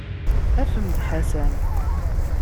Afem-d Ḥasan.